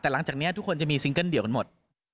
แต่หลังจากนี้ทุกคนจะมีซิงเกิ้ลเดียวกันหมด